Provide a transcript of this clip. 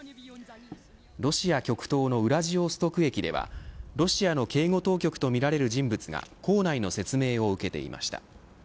ロシア極東のウラジオストク駅ではロシアの警護当局とみられる人物が構内の説明を受けていました。